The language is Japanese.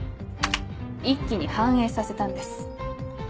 一気に反映させたんです。